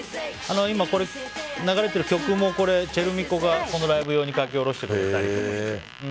今流れてる曲もｃｈｅｌｍｉｃｏがこのライブ用に書き下ろしてくれたりとかして。